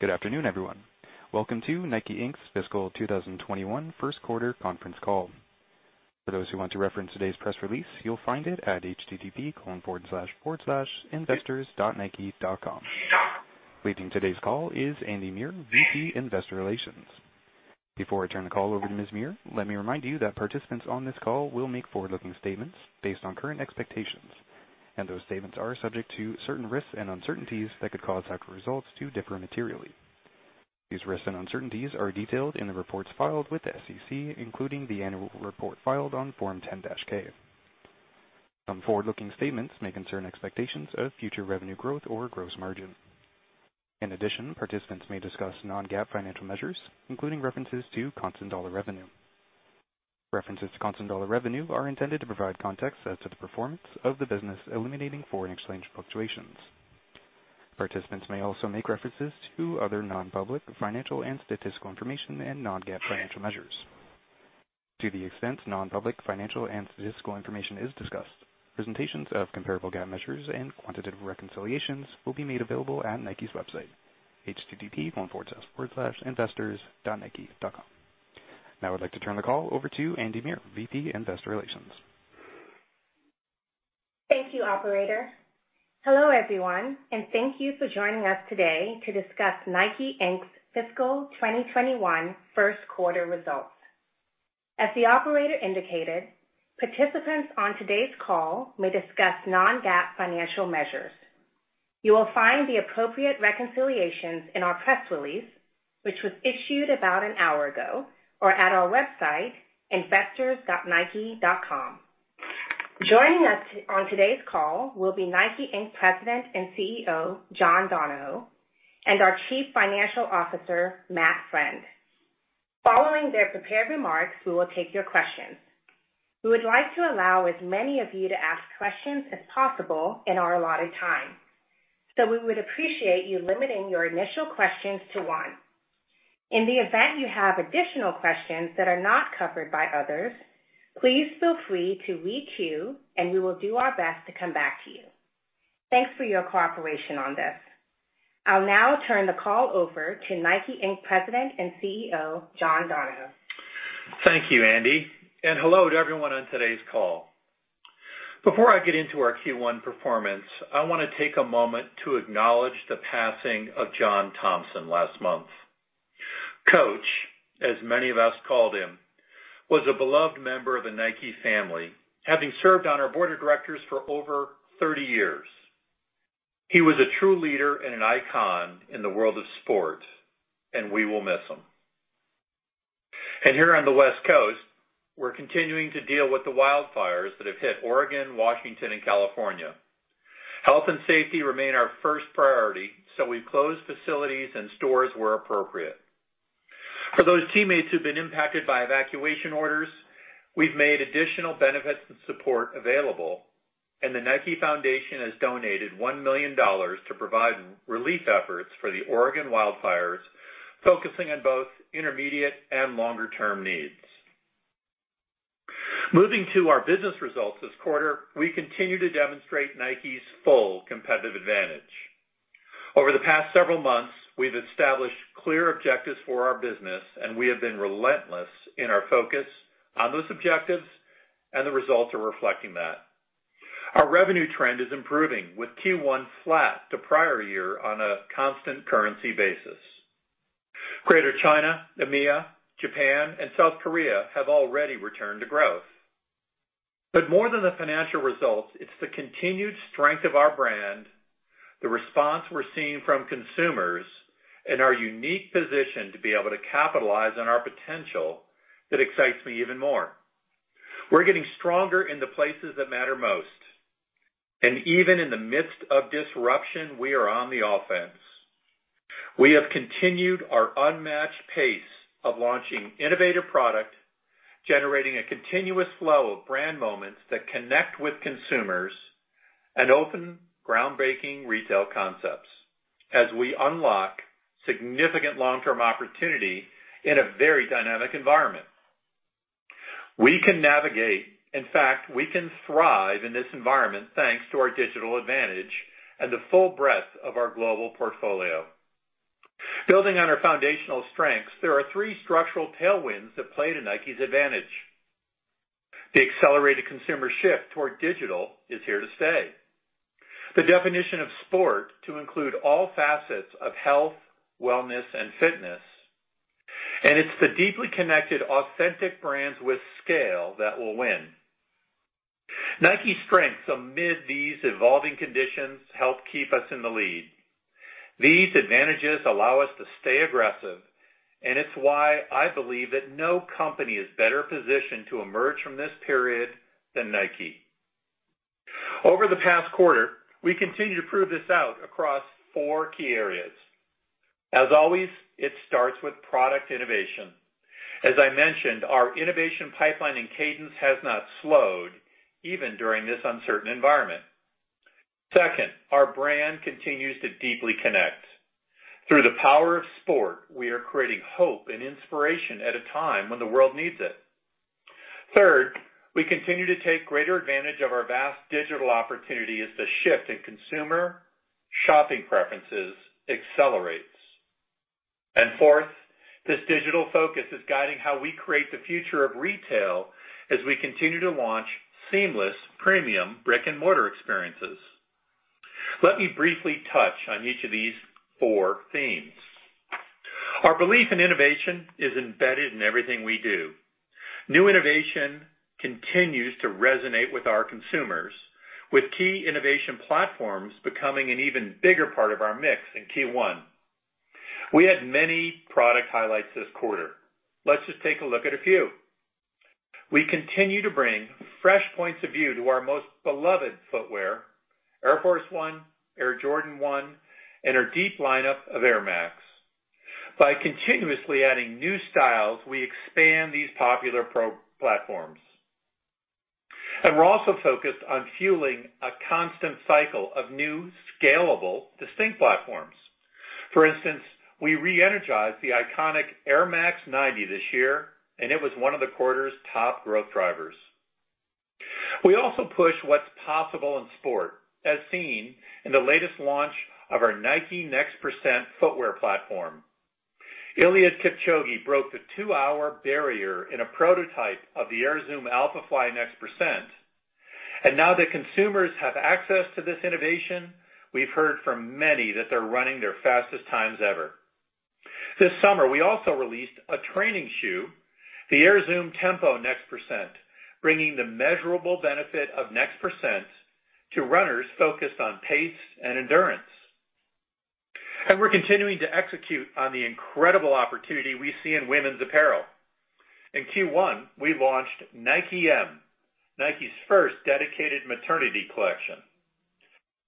Good afternoon, everyone. Welcome to Nike Inc's fiscal 2021 first quarter conference call. For those who want to reference today's press release, you'll find it at http://investors.nike.com. Leading today's call is Andy Muir, VP Investor Relations. Before I turn the call over to Ms. Muir, let me remind you that participants on this call will make forward-looking statements based on current expectations, and those statements are subject to certain risks and uncertainties that could cause actual results to differ materially. These risks and uncertainties are detailed in the reports filed with the SEC, including the annual report filed on Form 10-K. Some forward-looking statements may concern expectations of future revenue growth or gross margin. In addition, participants may discuss non-GAAP financial measures, including references to constant dollar revenue. References to constant dollar revenue are intended to provide context as to the performance of the business, eliminating foreign exchange fluctuations. Participants may also make references to other non-public financial and statistical information and non-GAAP financial measures. To the extent non-public financial and statistical information is discussed, presentations of comparable GAAP measures and quantitative reconciliations will be made available at Nike's website, http://investors.nike.com. I'd like to turn the call over to Andy Muir, VP Investor Relations. Thank you, operator. Hello, everyone, and thank you for joining us today to discuss Nike Inc's fiscal 2021 first quarter results. As the operator indicated, participants on today's call may discuss non-GAAP financial measures. You will find the appropriate reconciliations in our press release, which was issued about an hour ago, or at our website, investors.nike.com. Joining us on today's call will be Nike Inc. President and CEO, John Donahoe, and our Chief Financial Officer, Matt Friend. Following their prepared remarks, we will take your questions. We would like to allow as many of you to ask questions as possible in our allotted time, so we would appreciate you limiting your initial questions to one. In the event you have additional questions that are not covered by others, please feel free to re-queue, and we will do our best to come back to you. Thanks for your cooperation on this. I'll now turn the call over to Nike Inc President and CEO, John Donahoe. Thank you, Andy. Hello to everyone on today's call. Before I get into our Q1 performance, I want to take a moment to acknowledge the passing of John Thompson last month. Coach, as many of us called him, was a beloved member of the Nike family, having served on our board of directors for over 30 years. He was a true leader and an icon in the world of sport. We will miss him. Here on the West Coast, we're continuing to deal with the wildfires that have hit Oregon, Washington and California. Health and safety remain our first priority, so we've closed facilities and stores where appropriate. For those teammates who've been impacted by evacuation orders, we've made additional benefits and support available. The Nike Foundation has donated $1 million to provide relief efforts for the Oregon wildfires, focusing on both intermediate and longer-term needs. Moving to our business results this quarter, we continue to demonstrate Nike's full competitive advantage. Over the past several months, we've established clear objectives for our business, and we have been relentless in our focus on those objectives, and the results are reflecting that. Our revenue trend is improving, with Q1 flat to prior year on a constant currency basis. Greater China, EMEA, Japan and South Korea have already returned to growth. More than the financial results, it's the continued strength of our brand, the response we're seeing from consumers and our unique position to be able to capitalize on our potential that excites me even more. We're getting stronger in the places that matter most, and even in the midst of disruption, we are on the offense. We have continued our unmatched pace of launching innovative product, generating a continuous flow of brand moments that connect with consumers and open groundbreaking retail concepts as we unlock significant long-term opportunity in a very dynamic environment. We can navigate. We can thrive in this environment thanks to our digital advantage and the full breadth of our global portfolio. Building on our foundational strengths, there are three structural tailwinds that play to Nike's advantage. The accelerated consumer shift toward digital is here to stay. The definition of sport to include all facets of health, wellness and fitness, it's the deeply connected, authentic brands with scale that will win. Nike's strengths amid these evolving conditions help keep us in the lead. These advantages allow us to stay aggressive, it's why I believe that no company is better positioned to emerge from this period than Nike. Over the past quarter, we continue to prove this out across four key areas. As always, it starts with product innovation. As I mentioned, our innovation pipeline and cadence has not slowed even during this uncertain environment. Second, our brand continues to deeply connect. Through the power of sport, we are creating hope and inspiration at a time when the world needs it. Third, we continue to take greater advantage of our vast digital opportunities as the shift in consumer shopping preferences accelerates. Fourth, this digital focus is guiding how we create the future of retail as we continue to launch seamless premium brick-and-mortar experiences. Let me briefly touch on each of these four themes. Our belief in innovation is embedded in everything we do. New innovation continues to resonate with our consumers, with key innovation platforms becoming an even bigger part of our mix in Q1. We had many product highlights this quarter. Let's just take a look at a few. We continue to bring fresh points of view to our most beloved footwear, Air Force 1, Air Jordan 1, and our deep lineup of Air Max. By continuously adding new styles, we expand these popular pro platforms. We're also focused on fueling a constant cycle of new, scalable, distinct platforms. For instance, we re-energized the iconic Air Max 90 this year, and it was one of the quarter's top growth drivers. We also push what's possible in sport, as seen in the latest launch of our Nike NEXT% footwear platform. Eliud Kipchoge broke the two-hour barrier in a prototype of the Air Zoom Alphafly NEXT%. Now that consumers have access to this innovation, we've heard from many that they're running their fastest times ever. This summer, we also released a training shoe, the Nike Air Zoom Tempo NEXT%, bringing the measurable benefit of Nike NEXT% to runners focused on pace and endurance. We're continuing to execute on the incredible opportunity we see in women's apparel. In Q1, we launched Nike (M), Nike's first dedicated maternity collection.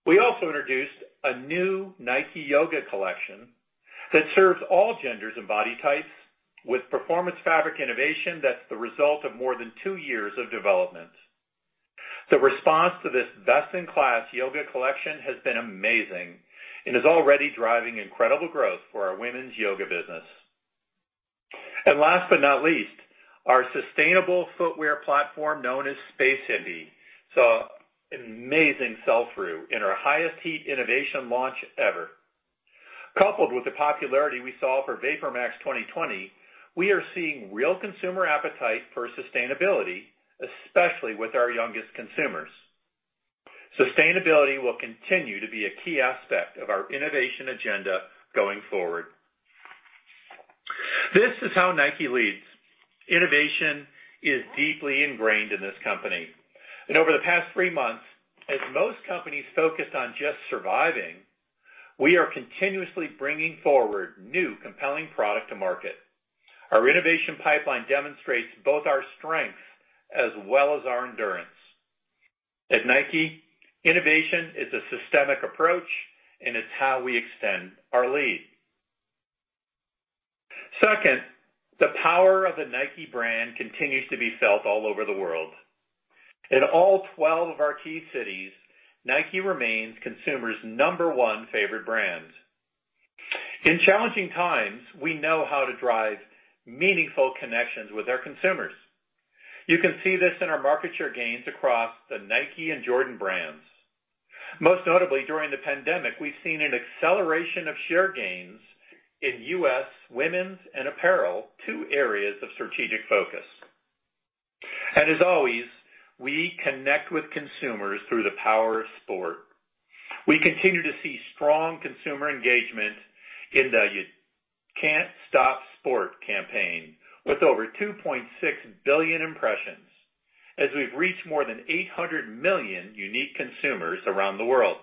We also introduced a new Nike yoga collection that serves all genders and body types with performance fabric innovation that's the result of more than two years of development. The response to this best-in-class yoga collection has been amazing and is already driving incredible growth for our women's yoga business. Last but not least, our sustainable footwear platform known as Space Hippie saw amazing sell-through in our highest heat innovation launch ever. Coupled with the popularity we saw for Nike Air VaporMax 2020, we are seeing real consumer appetite for sustainability, especially with our youngest consumers. Sustainability will continue to be a key aspect of our innovation agenda going forward. This is how Nike leads. Innovation is deeply ingrained in this company. Over the past three months, as most companies focused on just surviving, we are continuously bringing forward new compelling product to market. Our innovation pipeline demonstrates both our strengths as well as our endurance. At Nike, innovation is a systemic approach, and it's how we extend our lead. Second, the power of the Nike brand continues to be felt all over the world. In all 12 of our key cities, Nike remains consumers' number one favorite brand. In challenging times, we know how to drive meaningful connections with our consumers. You can see this in our market share gains across the Nike and Jordan brands. Most notably during the pandemic, we've seen an acceleration of share gains in U.S. women's and apparel, two areas of strategic focus. As always, we connect with consumers through the power of sport. We continue to see strong consumer engagement in the You Can't Stop Sport campaign with over 2.6 billion impressions as we've reached more than 800 million unique consumers around the world.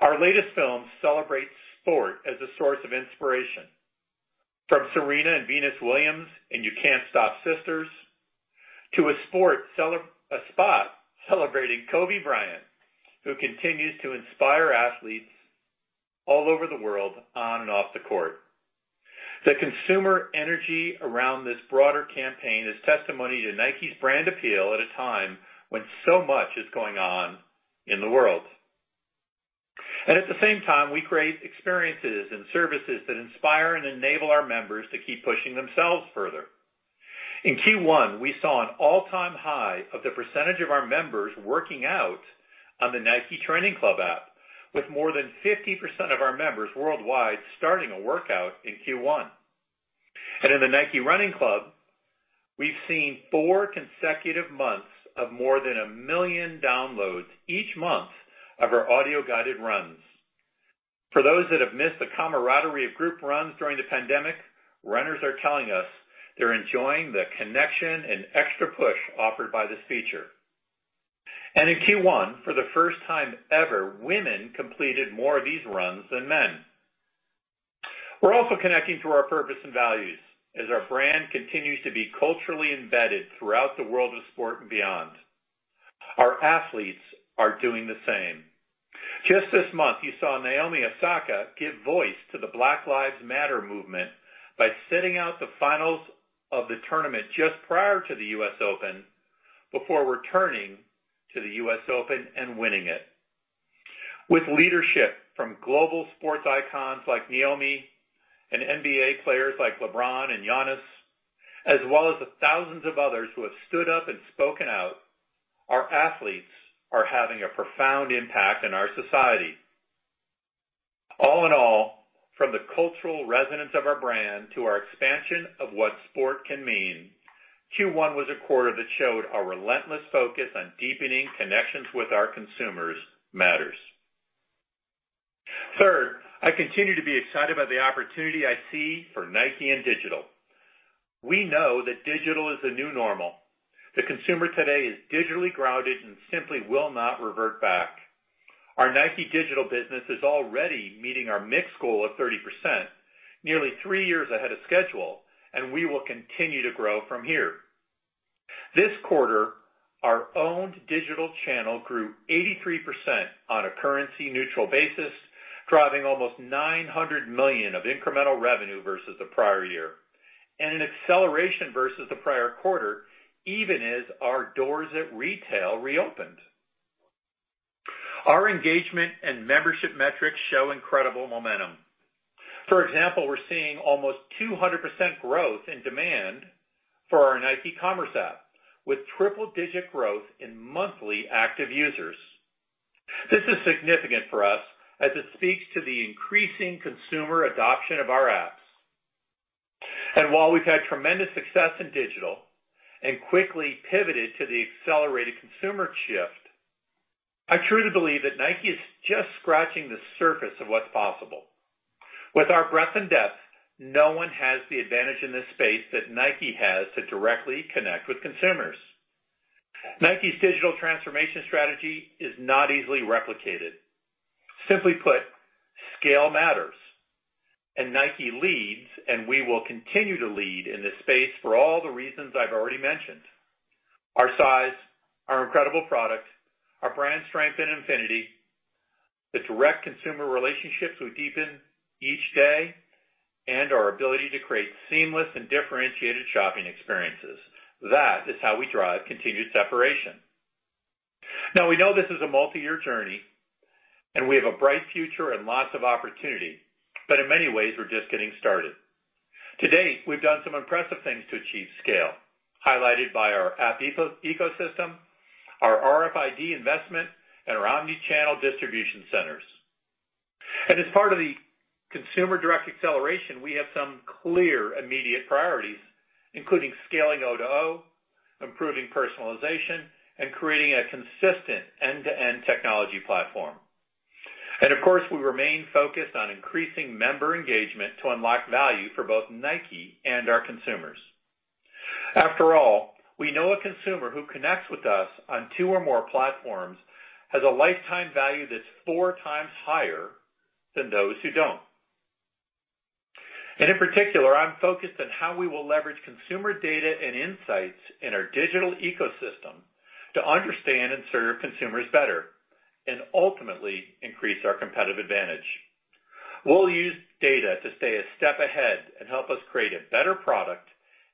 Our latest film celebrates sport as a source of inspiration, from Serena and Venus Williams in You Can't Stop Sisters to a spot celebrating Kobe Bryant, who continues to inspire athletes all over the world on and off the court. The consumer energy around this broader campaign is testimony to Nike's brand appeal at a time when so much is going on in the world. At the same time, we create experiences and services that inspire and enable our members to keep pushing themselves further. In Q1, we saw an all-time high of the percentage of our members working out on the Nike Training Club app, with more than 50% of our members worldwide starting a workout in Q1. In the Nike Run Club, we've seen four consecutive months of more than a million downloads each month of our audio-guided runs. For those that have missed the camaraderie of group runs during the pandemic, runners are telling us they're enjoying the connection and extra push offered by this feature. In Q1, for the first time ever, women completed more of these runs than men. We're also connecting through our purpose and values as our brand continues to be culturally embedded throughout the world of sport and beyond. Our athletes are doing the same. Just this month, you saw Naomi Osaka give voice to the Black Lives Matter movement by sitting out the finals of the tournament just prior to the U.S. Open before returning to the U.S. Open and winning it. With leadership from global sports icons like Naomi and NBA players like LeBron and Giannis, as well as the thousands of others who have stood up and spoken out, our athletes are having a profound impact on our society. All in all, from the cultural resonance of our brand to our expansion of what sport can mean, Q1 was a quarter that showed our relentless focus on deepening connections with our consumers matters. Third, I continue to be excited about the opportunity I see for Nike in digital. We know that digital is the new normal. The consumer today is digitally grounded and simply will not revert back. Our Nike Digital business is already meeting our mix goal of 30%, nearly three years ahead of schedule, and we will continue to grow from here. This quarter, our owned digital channel grew 83% on a currency-neutral basis, driving almost $900 million of incremental revenue versus the prior year, and an acceleration versus the prior quarter, even as our doors at retail reopened. Our engagement and membership metrics show incredible momentum. For example, we're seeing almost 200% growth in demand for our Nike App, with triple-digit growth in monthly active users. This is significant for us as it speaks to the increasing consumer adoption of our apps. While we've had tremendous success in digital and quickly pivoted to the accelerated consumer shift, I truly believe that Nike is just scratching the surface of what's possible. With our breadth and depth, no one has the advantage in this space that Nike has to directly connect with consumers. Nike's digital transformation strategy is not easily replicated. Simply put, scale matters. Nike leads, and we will continue to lead in this space for all the reasons I've already mentioned. Our size, our incredible product, our brand strength and affinity, the direct consumer relationships we deepen each day, and our ability to create seamless and differentiated shopping experiences. That is how we drive continued separation. We know this is a multi-year journey, and we have a bright future and lots of opportunity, but in many ways, we're just getting started. To date, we've done some impressive things to achieve scale, highlighted by our app ecosystem, our RFID investment, and our omnichannel distribution centers. As part of the Consumer Direct Acceleration, we have some clear, immediate priorities, including scaling O2O, improving personalization, and creating a consistent end-to-end technology platform. Of course, we remain focused on increasing member engagement to unlock value for both Nike and our consumers. After all, we know a consumer who connects with us on two or more platforms has a lifetime value that's four times higher than those who don't. In particular, I'm focused on how we will leverage consumer data and insights in our digital ecosystem to understand and serve consumers better, and ultimately increase our competitive advantage. We'll use data to stay a step ahead and help us create a better product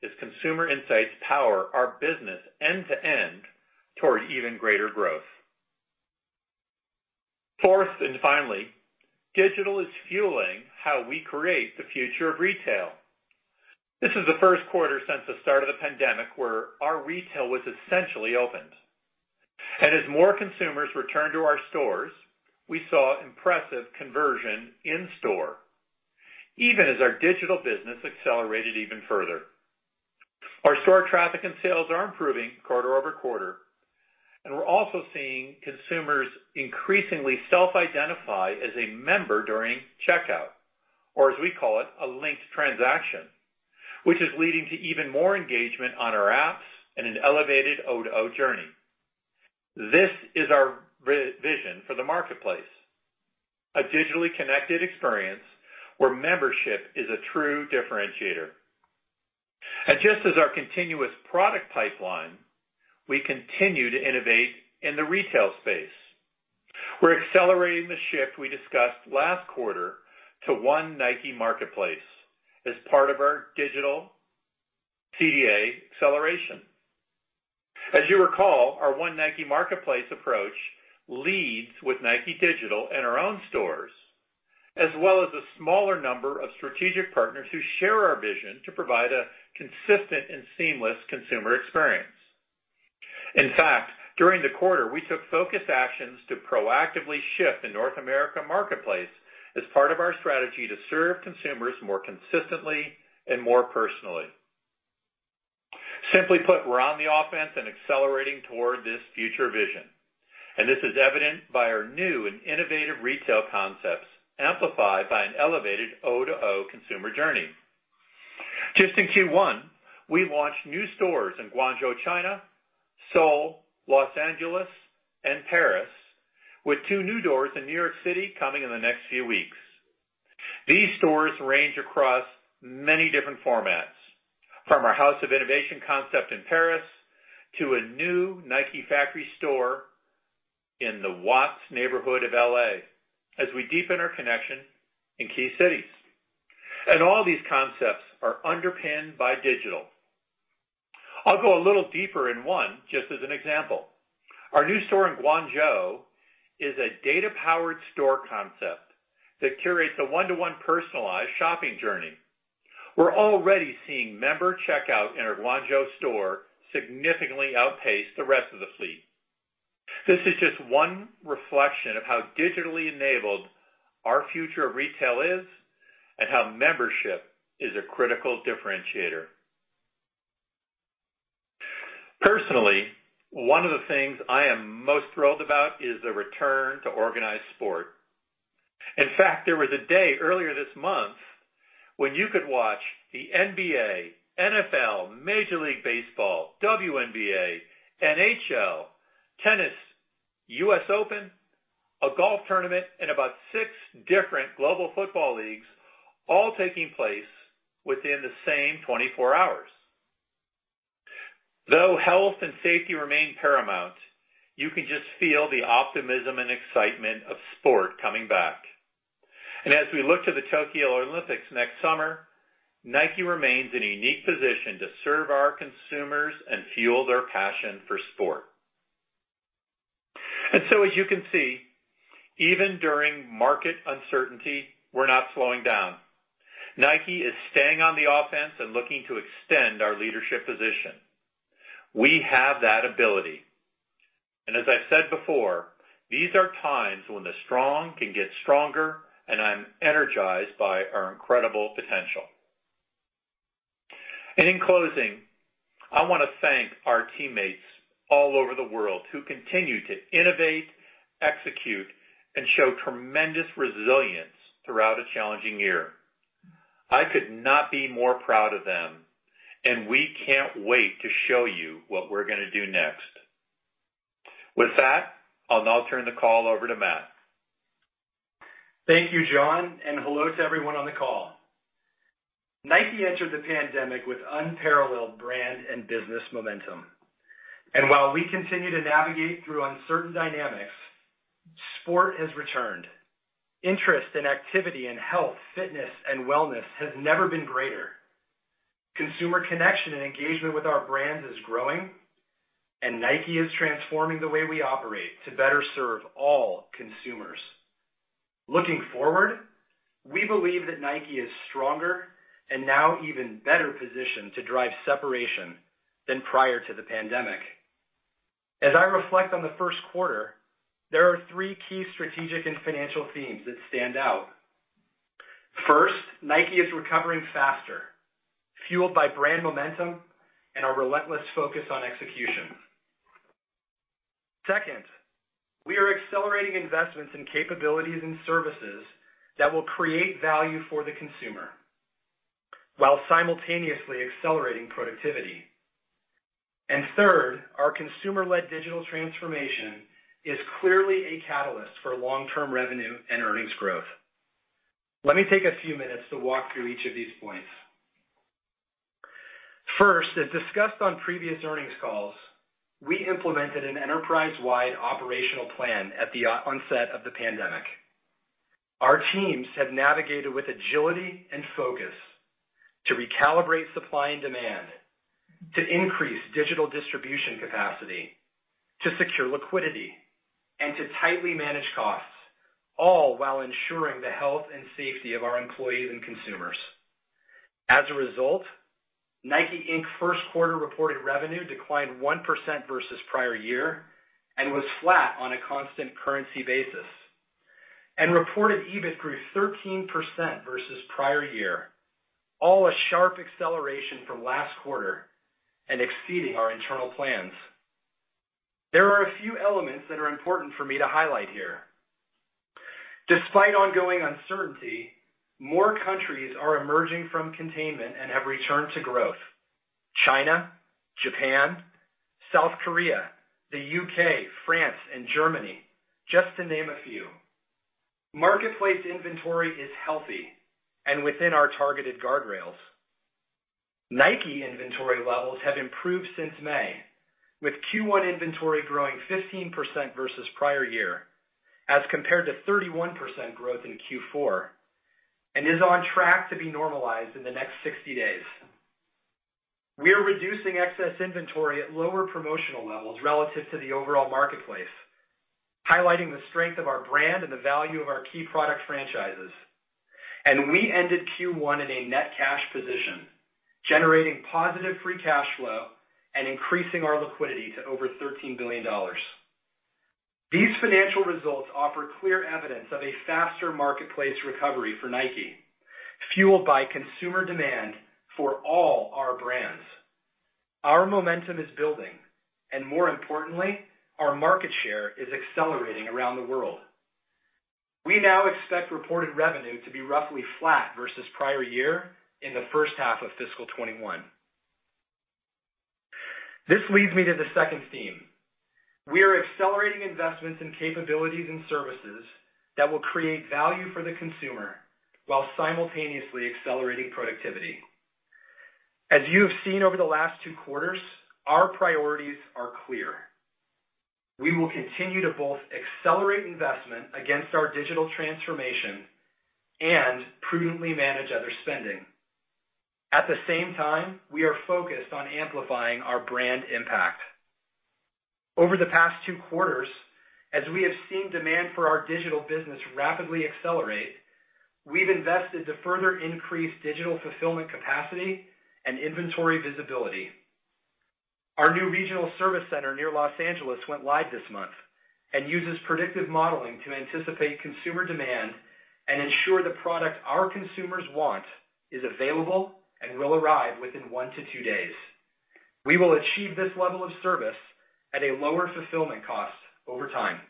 as consumer insights power our business end to end toward even greater growth. Fourth and finally, digital is fueling how we create the future of retail. This is the first quarter since the start of the pandemic where our retail was essentially opened. As more consumers return to our stores, we saw impressive conversion in store, even as our digital business accelerated even further. Our store traffic and sales are improving quarter-over-quarter, we're also seeing consumers increasingly self-identify as a member during checkout, or as we call it, a linked transaction, which is leading to even more engagement on our apps and an elevated O2O journey. This is our vision for the marketplace, a digitally connected experience where membership is a true differentiator. Just as our continuous product pipeline, we continue to innovate in the retail space. We're accelerating the shift we discussed last quarter to One Nike Marketplace as part of our digital CDA acceleration. As you recall, our One Nike Marketplace approach leads with Nike Digital and our own stores, as well as a smaller number of strategic partners who share our vision to provide a consistent and seamless consumer experience. In fact, during the quarter, we took focused actions to proactively shift the North America marketplace as part of our strategy to serve consumers more consistently and more personally. Simply put, we're on the offense and accelerating toward this future vision. This is evident by our new and innovative retail concepts, amplified by an elevated O2O consumer journey. Just in Q1, we launched new stores in Guangzhou, China, Seoul, Los Angeles, and Paris, with two new doors in New York City coming in the next few weeks. These stores range across many different formats, from our House of Innovation concept in Paris to a new Nike Factory Store in the Watts neighborhood of L.A., as we deepen our connection in key cities. All these concepts are underpinned by digital. I'll go a little deeper in one, just as an example. Our new store in Guangzhou is a data-powered store concept that curates a one-to-one personalized shopping journey. We're already seeing member checkout in our Guangzhou store significantly outpace the rest of the fleet. This is just one reflection of how digitally enabled our future of retail is, and how membership is a critical differentiator. Personally, one of the things I am most thrilled about is the return to organized sport. In fact, there was a day earlier this month when you could watch the NBA, NFL, Major League Baseball, WNBA, NHL, tennis, U.S. Open, a golf tournament, and about 24 different global football leagues all taking place within the same 24 hours. Though health and safety remain paramount, you can just feel the optimism and excitement of sport coming back. As we look to the Tokyo Olympics next summer, Nike remains in a unique position to serve our consumers and fuel their passion for sport. As you can see, even during market uncertainty, we're not slowing down. Nike is staying on the offense and looking to extend our leadership position. We have that ability, and as I've said before, these are times when the strong can get stronger, and I'm energized by our incredible potential. In closing, I want to thank our teammates all over the world who continue to innovate, execute, and show tremendous resilience throughout a challenging year. I could not be more proud of them, and we can't wait to show you what we're going to do next. With that, I'll now turn the call over to Matt. Thank you, John, and hello to everyone on the call. Nike entered the pandemic with unparalleled brand and business momentum. While we continue to navigate through uncertain dynamics, sport has returned. Interest and activity in health, fitness, and wellness has never been greater. Consumer connection and engagement with our brands is growing, and Nike is transforming the way we operate to better serve all consumers. Looking forward, we believe that Nike is stronger and now even better positioned to drive separation than prior to the pandemic. As I reflect on the first quarter, there are three key strategic and financial themes that stand out. First, Nike is recovering faster, fueled by brand momentum and a relentless focus on execution. Second, we are accelerating investments in capabilities and services that will create value for the consumer while simultaneously accelerating productivity. Third, our consumer-led digital transformation is clearly a catalyst for long-term revenue and earnings growth. Let me take a few minutes to walk through each of these points. First, as discussed on previous earnings calls, we implemented an enterprise-wide operational plan at the onset of the pandemic. Our teams have navigated with agility and focus to recalibrate supply and demand, to increase digital distribution capacity, to secure liquidity, and to tightly manage costs, all while ensuring the health and safety of our employees and consumers. As a result, Nike Inc's first quarter reported revenue declined 1% versus the prior year and was flat on a constant currency basis. Reported EBIT grew 13% versus the prior year, all a sharp acceleration from last quarter and exceeding our internal plans. There are a few elements that are important for me to highlight here. Despite ongoing uncertainty, more countries are emerging from containment and have returned to growth. China, Japan, South Korea, the U.K., France, and Germany, just to name a few. Marketplace inventory is healthy and within our targeted guardrails. Nike inventory levels have improved since May, with Q1 inventory growing 15% versus the prior year as compared to 31% growth in Q4, and is on track to be normalized in the next 60 days. We are reducing excess inventory at lower promotional levels relative to the overall marketplace, highlighting the strength of our brand and the value of our key product franchises. We ended Q1 in a net cash position, generating positive free cash flow and increasing our liquidity to over $13 billion. These financial results offer clear evidence of a faster marketplace recovery for Nike, fueled by consumer demand for all our brands. Our momentum is building, and more importantly, our market share is accelerating around the world. We now expect reported revenue to be roughly flat versus the prior year in the first half of fiscal 2021. This leads me to the second theme. We are accelerating investments in capabilities and services that will create value for the consumer while simultaneously accelerating productivity. As you have seen over the last two quarters, our priorities are clear. We will continue to both accelerate investment against our digital transformation and prudently manage other spending. At the same time, we are focused on amplifying our brand impact. Over the past two quarters, as we have seen demand for our digital business rapidly accelerate, we've invested to further increase digital fulfillment capacity and inventory visibility. Our new regional service center near Los Angeles went live this month and uses predictive modeling to anticipate consumer demand and ensure the product our consumers want is available and will arrive within one to two days. We will achieve this level of service at a lower fulfillment cost over time.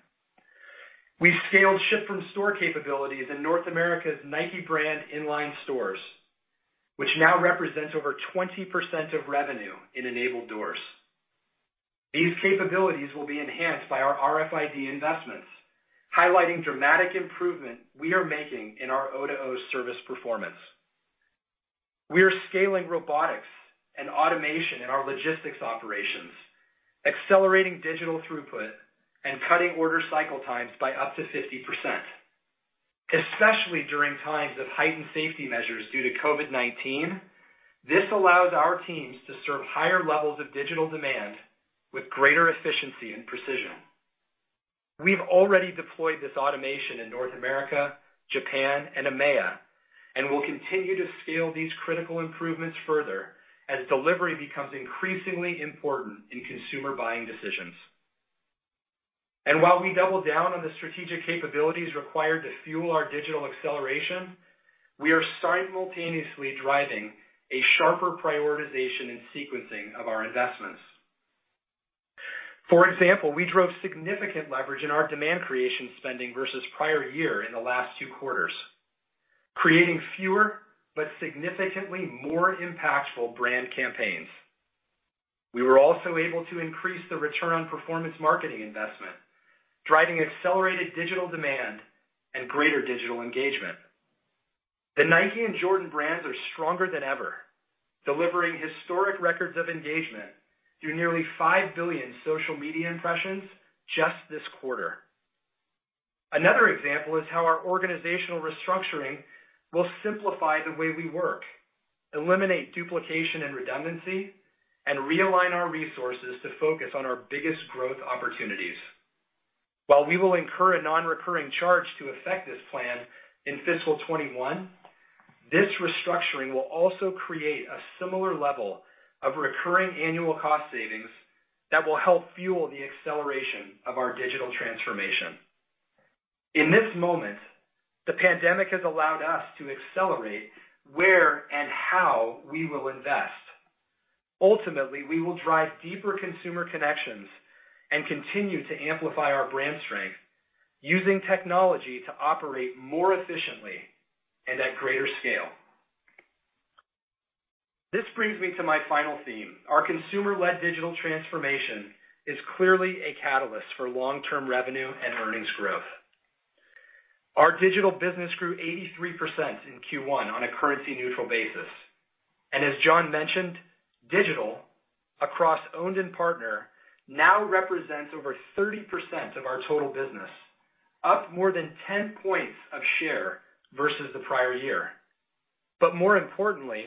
We've scaled ship from store capabilities in North America's Nike brand in-line stores, which now represents over 20% of revenue in enabled doors. These capabilities will be enhanced by our RFID investments, highlighting dramatic improvement we are making in our O2O service performance. We are scaling robotics and automation in our logistics operations, accelerating digital throughput and cutting order cycle times by up to 50%. Especially during times of heightened safety measures due to COVID-19, this allows our teams to serve higher levels of digital demand with greater efficiency and precision. We've already deployed this automation in North America, Japan, and EMEA, will continue to scale these critical improvements further as delivery becomes increasingly important in consumer buying decisions. While we double down on the strategic capabilities required to fuel our digital acceleration, we are simultaneously driving a sharper prioritization and sequencing of our investments. For example, we drove significant leverage in our demand creation spending versus prior year in the last two quarters, creating fewer but significantly more impactful brand campaigns. We were also able to increase the return on performance marketing investment, driving accelerated digital demand and greater digital engagement. The Nike and Jordan Brand are stronger than ever, delivering historic records of engagement through nearly 5 billion social media impressions just this quarter. Another example is how our organizational restructuring will simplify the way we work, eliminate duplication and redundancy, and realign our resources to focus on our biggest growth opportunities. While we will incur a non-recurring charge to affect this plan in fiscal 2021, this restructuring will also create a similar level of recurring annual cost savings that will help fuel the acceleration of our digital transformation. In this moment, the pandemic has allowed us to accelerate where and how we will invest. Ultimately, we will drive deeper consumer connections and continue to amplify our brand strength using technology to operate more efficiently and at greater scale. This brings me to my final theme. Our consumer-led digital transformation is clearly a catalyst for long-term revenue and earnings growth. Our digital business grew 83% in Q1 on a currency-neutral basis. As John mentioned, digital, across owned and partner, now represents over 30% of our total business, up more than 10 points of share versus the prior year. More importantly,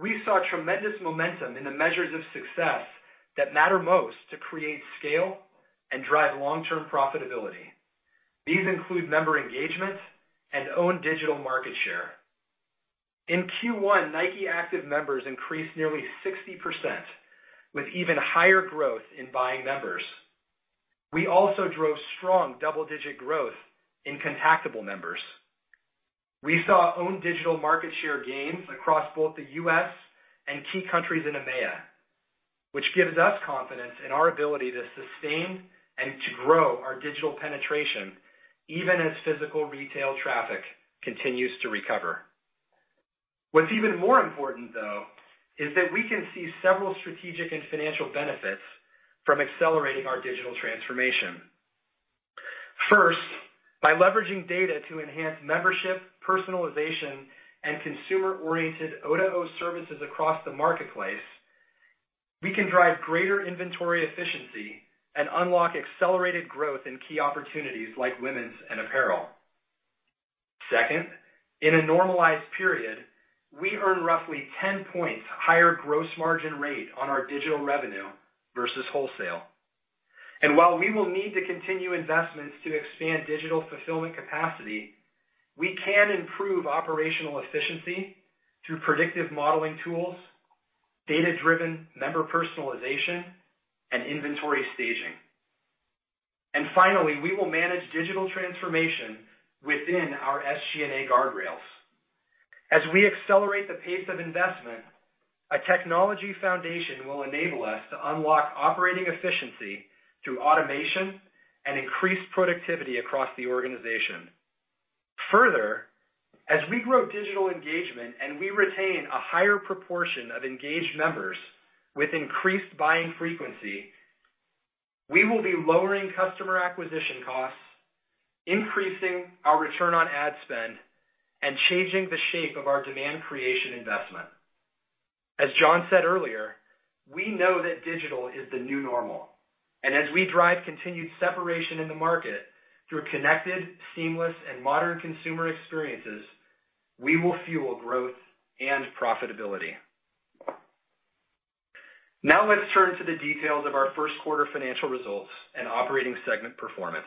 we saw tremendous momentum in the measures of success that matter most to create scale and drive long-term profitability. These include member engagement and own digital market share. In Q1, Nike active members increased nearly 60%, with even higher growth in buying members. We also drove strong double-digit growth in contactable members. We saw own digital market share gains across both the U.S. and key countries in EMEA, which gives us confidence in our ability to sustain and to grow our digital penetration even as physical retail traffic continues to recover. What's even more important, though, is that we can see several strategic and financial benefits from accelerating our digital transformation. First, by leveraging data to enhance membership, personalization, and consumer-oriented O2O services across the marketplace, we can drive greater inventory efficiency and unlock accelerated growth in key opportunities like women's and apparel. Second, in a normalized period, we earn roughly 10 points higher gross margin rate on our digital revenue versus wholesale. While we will need to continue investments to expand digital fulfillment capacity, we can improve operational efficiency through predictive modeling tools, data-driven member personalization, and inventory staging. Finally, we will manage digital transformation within our SG&A guardrails. As we accelerate the pace of investment, a technology foundation will enable us to unlock operating efficiency through automation and increase productivity across the organization. Further, as we grow digital engagement and we retain a higher proportion of engaged members with increased buying frequency, we will be lowering customer acquisition costs, increasing our return on ad spend, and changing the shape of our demand creation investment. As John said earlier, we know that digital is the new normal, and as we drive continued separation in the market through connected, seamless, and modern consumer experiences, we will fuel growth and profitability. Now let's turn to the details of our first quarter financial results and operating segment performance.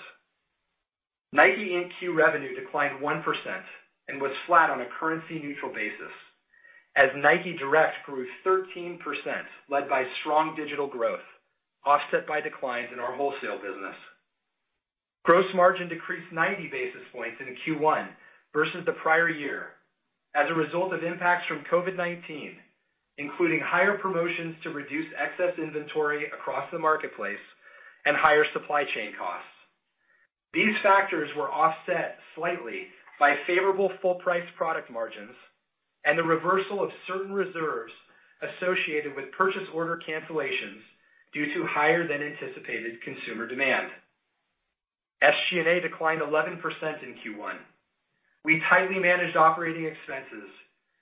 NIKE Inc revenue declined 1% and was flat on a currency-neutral basis as NIKE Direct grew 13%, led by strong digital growth, offset by declines in our wholesale business. Gross margin decreased 90 basis points into Q1 versus the prior year as a result of impacts from COVID-19, including higher promotions to reduce excess inventory across the marketplace and higher supply chain costs. These factors were offset slightly by favorable full-price product margins and the reversal of certain reserves associated with purchase order cancellations due to higher than anticipated consumer demand. SG&A declined 11% in Q1. We tightly managed operating expenses,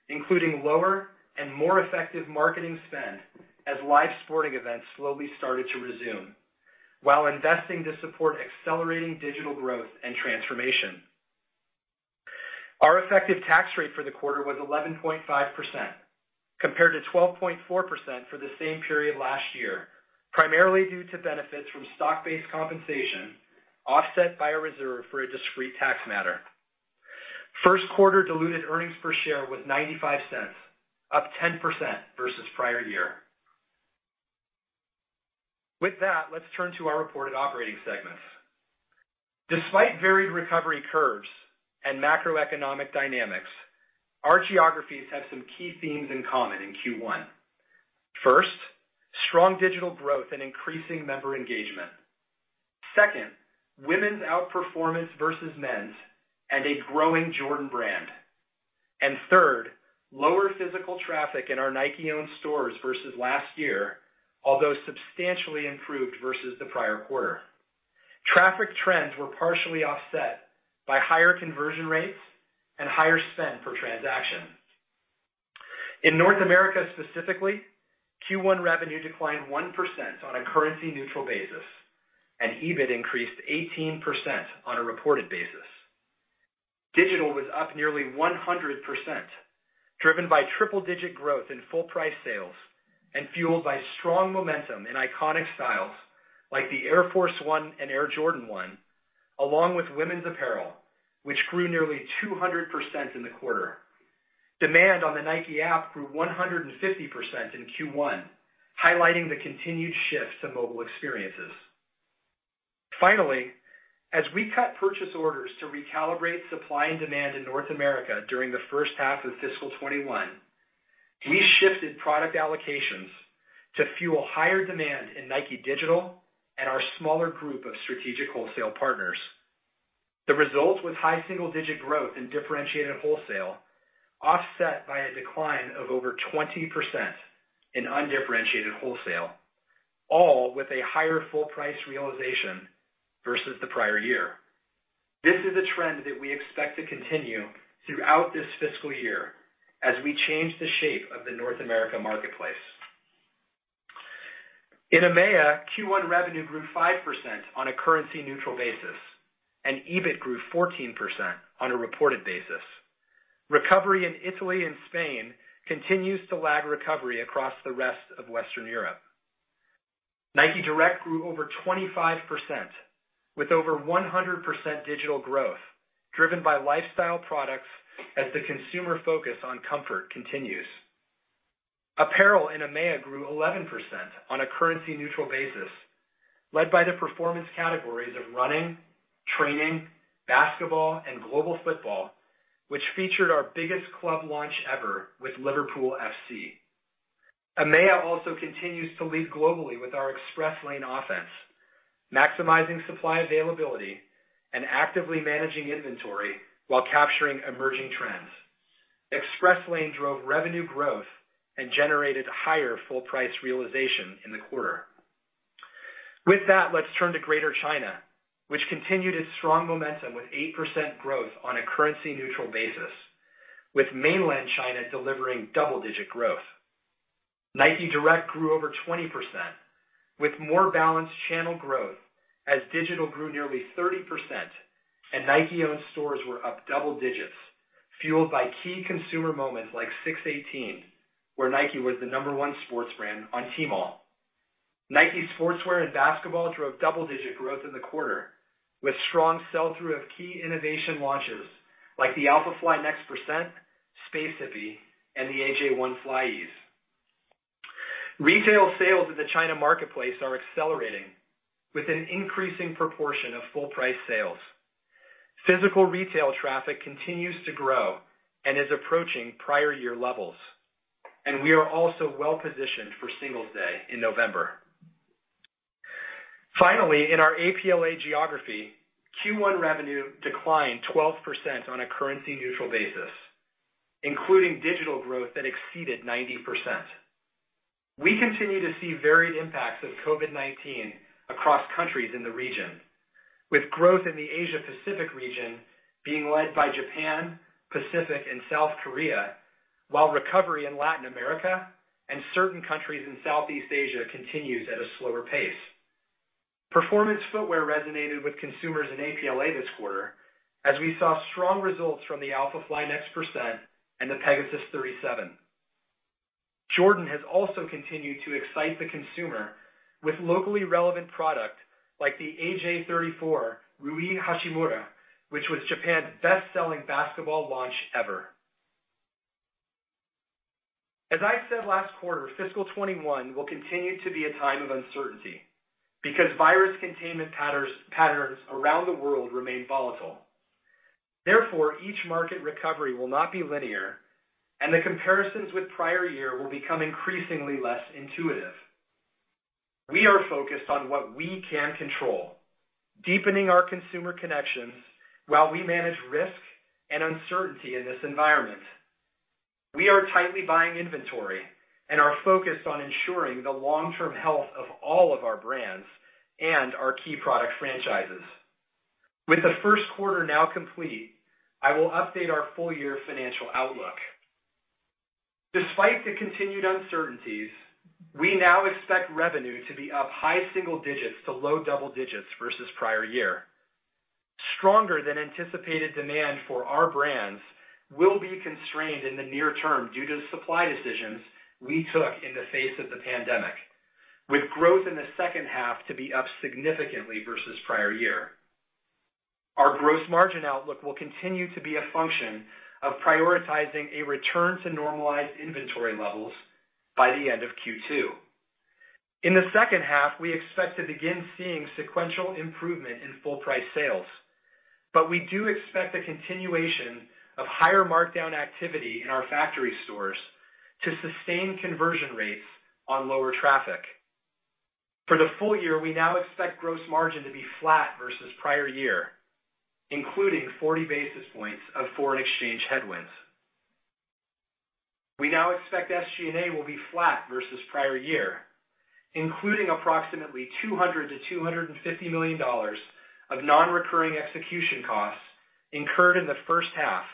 including lower and more effective marketing spend as live sporting events slowly started to resume, while investing to support accelerating digital growth and transformation. Our effective tax rate for the quarter was 11.5% compared to 12.4% for the same period last year, primarily due to benefits from stock-based compensation, offset by a reserve for a discrete tax matter. First quarter diluted earnings per share was $0.95, up 10% versus prior year. With that, let's turn to our reported operating segments. Despite varied recovery curves and macroeconomic dynamics, our geographies have some key themes in common in Q1. First, strong digital growth and increasing member engagement. Second, women's outperformance versus men's and a growing Jordan Brand. Third, lower physical traffic in our Nike-owned stores versus last year, although substantially improved versus the prior quarter. Traffic trends were partially offset by higher conversion rates and higher spend per transaction. In North America, specifically, Q1 revenue declined 1% on a currency neutral basis, and EBIT increased 18% on a reported basis. Digital was up nearly 100%, driven by triple-digit growth in full-price sales and fueled by strong momentum in iconic styles like the Air Force 1 and Air Jordan 1, along with women's apparel, which grew nearly 200% in the quarter. Demand on the Nike App grew 150% in Q1, highlighting the continued shift to mobile experiences. Finally, as we cut purchase orders to recalibrate supply and demand in North America during the first half of fiscal 2021, we shifted product allocations to fuel higher demand in NIKE Digital and our smaller group of strategic wholesale partners. The result was high single-digit growth in differentiated wholesale, offset by a decline of over 20% in undifferentiated wholesale, all with a higher full-price realization versus the prior year. This is a trend that we expect to continue throughout this fiscal year as we change the shape of the North America marketplace. In EMEA, Q1 revenue grew 5% on a currency neutral basis, and EBIT grew 14% on a reported basis. Recovery in Italy and Spain continues to lag recovery across the rest of Western Europe. NIKE Direct grew over 25%, with over 100% digital growth driven by lifestyle products as the consumer focus on comfort continues. Apparel in EMEA grew 11% on a currency neutral basis, led by the performance categories of running, training, basketball, and global football, which featured our biggest club launch ever with Liverpool FC. EMEA also continues to lead globally with our Express Lane offense, maximizing supply availability and actively managing inventory while capturing emerging trends. Express Lane drove revenue growth and generated higher full-price realization in the quarter. With that, let's turn to Greater China, which continued its strong momentum with 8% growth on a currency neutral basis, with mainland China delivering double-digit growth. NIKE Direct grew over 20%, with more balanced channel growth as digital grew nearly 30% and Nike-owned stores were up double digits, fueled by key consumer moments like 618, where Nike was the number one sports brand on Tmall. Nike Sportswear and Basketball drove double-digit growth in the quarter, with strong sell-through of key innovation launches like the Alphafly NEXT%, Space Hippie, and the AJ1 FlyEase. Retail sales at the China marketplace are accelerating with an increasing proportion of full-price sales. Physical retail traffic continues to grow and is approaching prior year levels, and we are also well positioned for Singles' Day in November. Finally, in our APLA geography, Q1 revenue declined 12% on a currency neutral basis, including digital growth that exceeded 90%. We continue to see varied impacts of COVID-19 across countries in the region, with growth in the Asia Pacific region being led by Japan, Pacific, and South Korea, while recovery in Latin America and certain countries in Southeast Asia continues at a slower pace. Performance footwear resonated with consumers in APLA this quarter, as we saw strong results from the Alphafly NEXT% and the Pegasus 37. Jordan has also continued to excite the consumer with locally relevant product like the AJ34 Rui Hachimura, which was Japan's best-selling basketball launch ever. As I said last quarter, fiscal 2021 will continue to be a time of uncertainty because virus containment patterns around the world remain volatile. Therefore, each market recovery will not be linear, and the comparisons with prior year will become increasingly less intuitive. We are focused on what we can control, deepening our consumer connections while we manage risk and uncertainty in this environment. We are tightly buying inventory and are focused on ensuring the long-term health of all of our brands and our key product franchises. With the first quarter now complete, I will update our full year financial outlook. Despite the continued uncertainties, we now expect revenue to be up high single digits to low double digits versus prior year. Stronger than anticipated demand for our brands will be constrained in the near term due to supply decisions we took in the face of the pandemic, with growth in the second half to be up significantly versus prior year. Our gross margin outlook will continue to be a function of prioritizing a return to normalized inventory levels by the end of Q2. In the second half, we expect to begin seeing sequential improvement in full-price sales. We do expect a continuation of higher markdown activity in our factory stores to sustain conversion rates on lower traffic. For the full year, we now expect gross margin to be flat versus prior year, including 40 basis points of foreign exchange headwinds. We now expect SG&A will be flat versus prior year, including approximately $200 million-$250 million of non-recurring execution costs incurred in the first half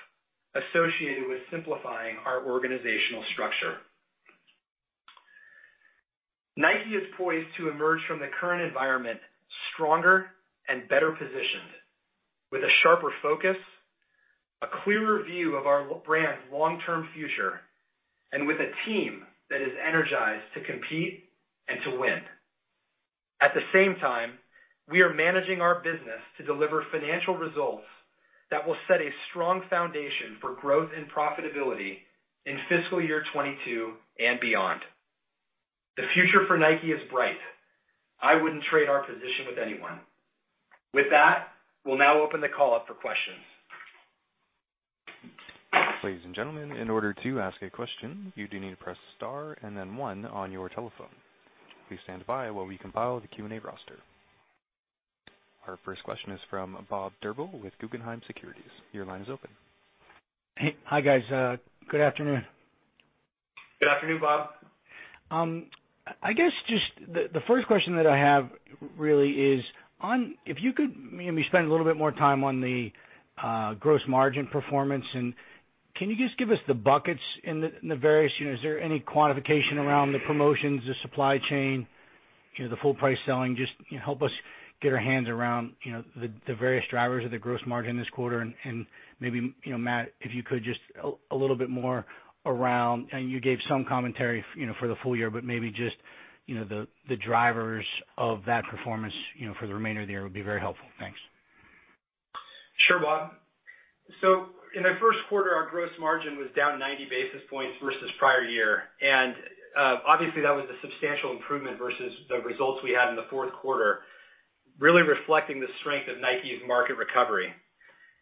associated with simplifying our organizational structure. Nike is poised to emerge from the current environment stronger and better positioned, with a sharper focus, a clearer view of our brand's long-term future, and with a team that is energized to compete and to win. At the same time, we are managing our business to deliver financial results that will set a strong foundation for growth and profitability in fiscal year 2022 and beyond. The future for Nike is bright. I wouldn't trade our position with anyone. With that, we'll now open the call up for questions. Ladies and gentlemen, in order to ask a question, you do need to press star and then one on your telephone. Please stand by while we compile the Q&A roster. Our first question is from Bob Drbul with Guggenheim Securities. Hey. Hi, guys. Good afternoon. Good afternoon, Bob. The first question that I have really is, if you could maybe spend a little bit more time on the gross margin performance. Can you just give us the buckets? Is there any quantification around the promotions, the supply chain, the full-price selling? Just help us get our hands around the various drivers of the gross margin this quarter and maybe, Matt, if you could, just a little bit more around, and you gave some commentary for the full year, but maybe just the drivers of that performance for the remainder of the year would be very helpful. Thanks. Sure, Bob. In the first quarter, our gross margin was down 90 basis points versus prior year. Obviously, that was a substantial improvement versus the results we had in the fourth quarter, really reflecting the strength of Nike's market recovery.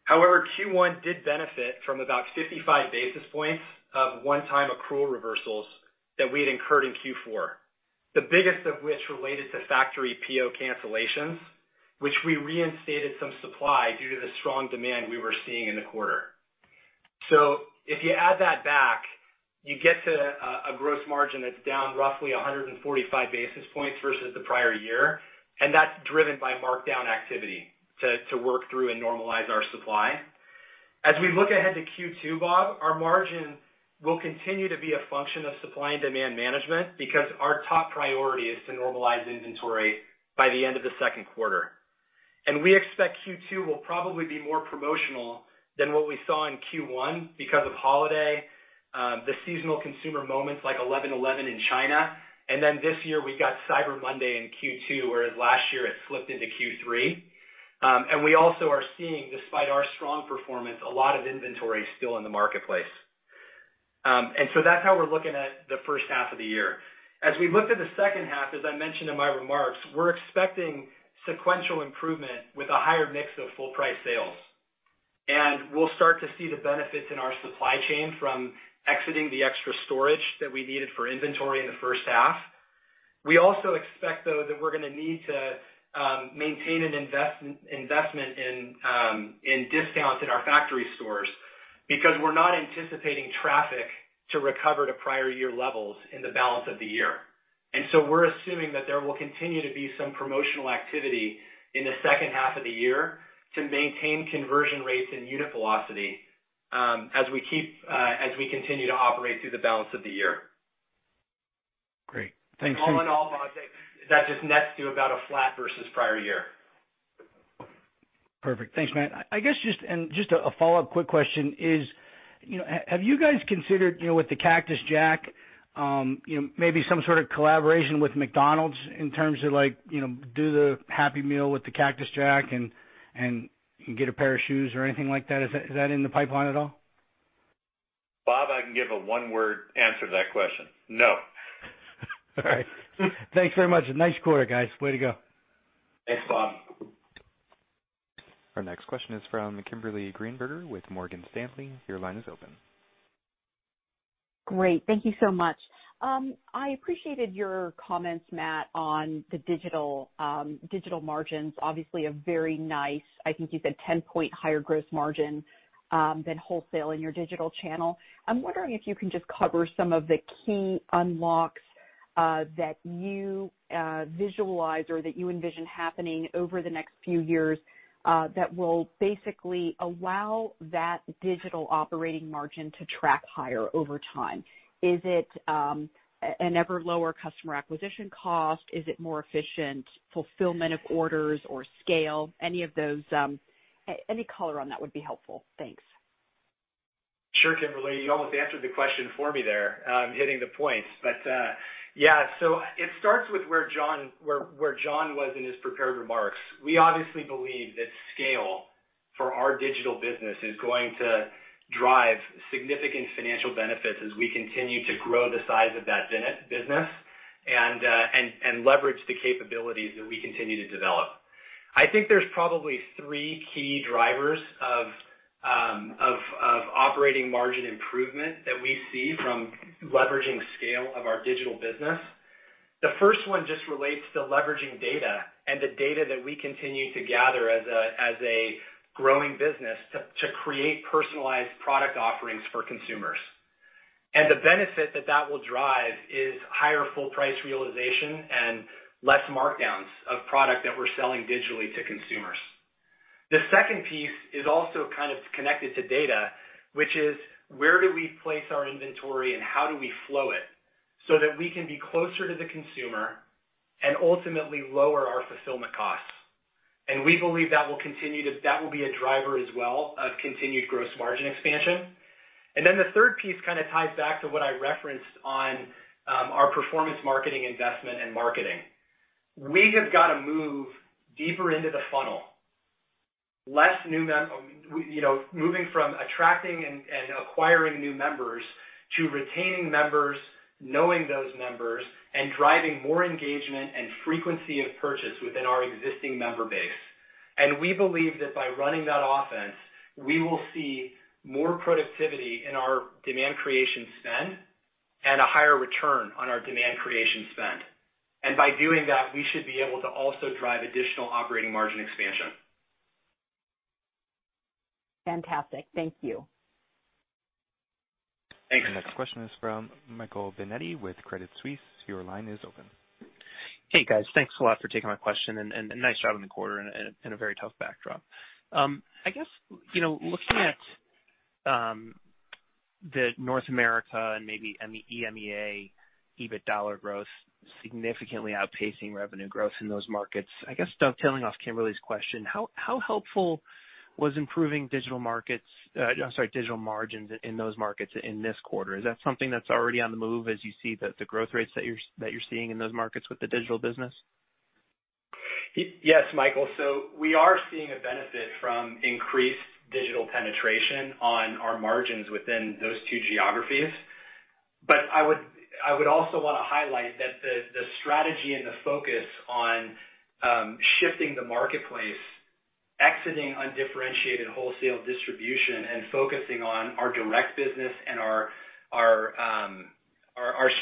However, Q1 did benefit from about 55 basis points of one-time accrual reversals that we had incurred in Q4. The biggest of which related to factory PO cancellations, which we reinstated some supply due to the strong demand we were seeing in the quarter. If you add that back, you get to a gross margin that's down roughly 145 basis points versus the prior year, and that's driven by markdown activity to work through and normalize our supply. As we look ahead to Q2, Bob, our margin will continue to be a function of supply and demand management because our top priority is to normalize inventory by the end of the second quarter. We expect Q2 will probably be more promotional than what we saw in Q1 because of holiday, the seasonal consumer moments like 11.11 in China. This year, we got Cyber Monday in Q2, whereas last year it slipped into Q3. We also are seeing, despite our strong performance, a lot of inventory still in the marketplace. That's how we're looking at the first half of the year. As we look to the second half, as I mentioned in my remarks, we're expecting sequential improvement with a higher mix of full-price sales. We'll start to see the benefits in our supply chain from exiting the extra storage that we needed for inventory in the first half. We also expect, though, that we're going to need to maintain an investment in discounts in our Nike Factory Stores because we're not anticipating traffic to recover to prior year levels in the balance of the year. We're assuming that there will continue to be some promotional activity in the second half of the year to maintain conversion rates and unit velocity as we continue to operate through the balance of the year. Great. Thanks. All in all, Bob, that's just next to about a flat versus prior year. Perfect. Thanks, Matt. I guess just a follow-up quick question is, have you guys considered, with the Cactus Jack, maybe some sort of collaboration with McDonald's in terms of do the Happy Meal with the Cactus Jack and get a pair of shoes or anything like that? Is that in the pipeline at all? Bob, I can give a one-word answer to that question. No. All right. Thanks very much. Nice quarter, guys. Way to go. Thanks, Bob. Our next question is from Kimberly Greenberger with Morgan Stanley. Your line is open. Great. Thank you so much. I appreciated your comments, Matt, on the digital margins, obviously a very nice, I think you said 10-point higher gross margin than wholesale in your digital channel. I'm wondering if you can just cover some of the key unlocks that you visualize or that you envision happening over the next few years that will basically allow that digital operating margin to track higher over time. Is it an ever lower customer acquisition cost? Is it more efficient fulfillment of orders or scale? Any color on that would be helpful. Thanks. Sure, Kimberly, you almost answered the question for me there, hitting the points. Yeah, so it starts with where John was in his prepared remarks. We obviously believe that scale for our digital business is going to drive significant financial benefits as we continue to grow the size of that business and leverage the capabilities that we continue to develop. I think there's probably three key drivers of operating margin improvement that we see from leveraging scale of our digital business. The first one just relates to leveraging data and the data that we continue to gather as a growing business to create personalized product offerings for consumers. The benefit that that will drive is higher full-price realization and less markdowns of product that we're selling digitally to consumers. The second piece is also kind of connected to data, which is where do we place our inventory and how do we flow it so that we can be closer to the consumer and ultimately lower our fulfillment costs? We believe that will be a driver as well of continued gross margin expansion. The third piece kind of ties back to what I referenced on our performance marketing investment and marketing. We have got to move deeper into the funnel. Moving from attracting and acquiring new members to retaining members, knowing those members, and driving more engagement and frequency of purchase within our existing member base. We believe that by running that offense, we will see more productivity in our demand creation spend and a higher return on our demand creation spend. By doing that, we should be able to also drive additional operating margin expansion. Fantastic. Thank you. Thanks. Our next question is from Michael Binetti with Credit Suisse. Your line is open. Hey, guys. Thanks a lot for taking my question, and nice job on the quarter in a very tough backdrop. I guess, looking at the North America and maybe EMEA EBIT dollar growth significantly outpacing revenue growth in those markets, I guess tailing off Kimberly's question, how helpful was improving digital margins in those markets in this quarter? Is that something that's already on the move as you see the growth rates that you're seeing in those markets with the digital business? Yes, Michael. We are seeing a benefit from increased digital penetration on our margins within those two geographies. I would also want to highlight that the strategy and the focus on shifting the marketplace, exiting undifferentiated wholesale distribution, and focusing on our direct business and our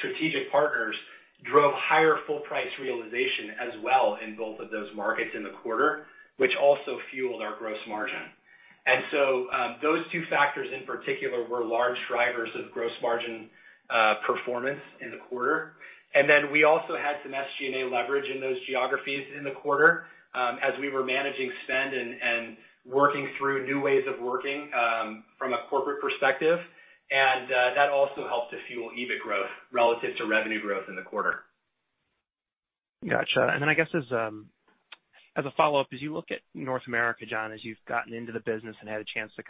strategic partners drove higher full-price realization as well in both of those markets in the quarter, which also fueled our gross margin. Those two factors in particular were large drivers of gross margin performance in the quarter. We also had some SG&A leverage in those geographies in the quarter as we were managing spend and working through new ways of working from a corporate perspective. That also helped to fuel EBIT growth relative to revenue growth in the quarter. Got you. I guess as a follow-up, as you look at North America, John, as you've gotten into the business and had a chance to